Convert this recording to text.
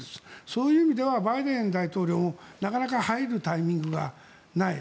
そういう意味ではバイデン大統領もなかなか入るタイミングがない。